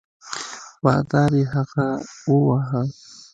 بادار یې هغه وواهه.